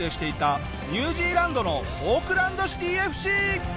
ニュージーランドのオークランド・シティＦＣ。